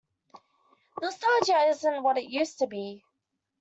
Nostalgia isn't what it used to be.